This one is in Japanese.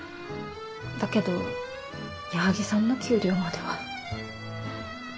だけど矢作さんの給料までは。